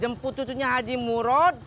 jemput cucunya haji murot